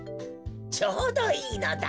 ちょうどいいのだ。